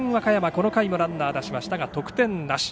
この回もランナーを出しましたが得点なし。